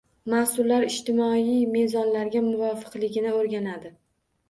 Mas’ullar ijtimoiy mezonlarga muvofiqligini o‘rganadi.